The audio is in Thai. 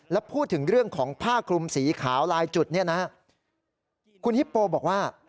และพูดถึงเรื่องของผ้ากลุ่มสีขาวลายจุดคุณฮิปโปบอกว่า